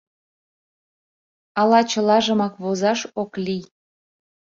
Ала чылажымак возаш ок лий?